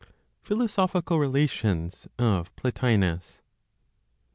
PHILOSOPHICAL RELATIONS OF PLOTINOS.